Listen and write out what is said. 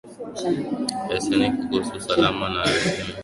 Helsinki kuhusu Usalama na Ushirikiano huko Ulaya ulitokeza